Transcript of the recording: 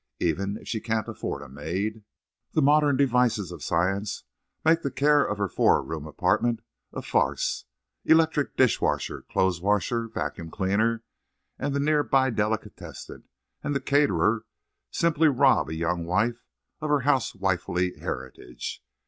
Even if she can't afford a maid, the modern devices of science make the care of her four room apartment a farce. Electric dish washer, clothes washer, vacuum cleaner, and the near by delicatessen and the caterer simply rob a young wife of her housewifely heritage.